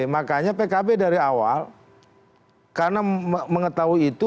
makanya pkb dari awal karena mengetahui itu